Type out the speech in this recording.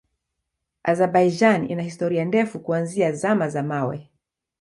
Azerbaijan ina historia ndefu kuanzia Zama za Mawe.